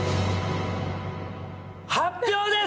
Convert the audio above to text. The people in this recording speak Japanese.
発表です！